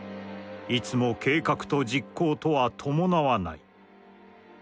いつも計画と実行とは伴はない。